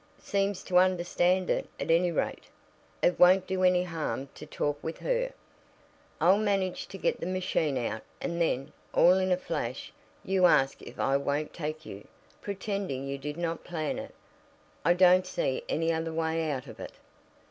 "Seems to understand it, at any rate. It won't do any harm to talk with her. I'll manage to get the machine out, and then, all in a flash, you ask if I won't take you, pretending you did not plan it. I don't see any other way out of it."